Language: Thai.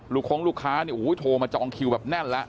ลูกค้องลูกค้าโทรมาจองคิวแบบแน่นแล้ว